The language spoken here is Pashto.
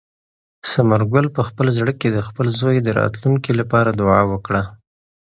ثمر ګل په خپل زړه کې د خپل زوی د راتلونکي لپاره دعا وکړه.